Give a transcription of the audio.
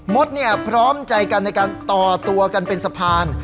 พร้อมใจกันในการต่อตัวกันเป็นสะพาน